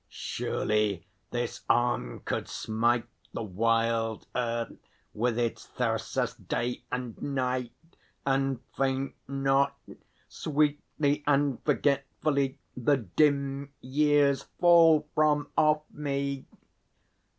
_ Surely this arm could smite The wild earth with its thyrsus, day and night, And faint not! Sweetly and forgetfully The dim years fall from off me!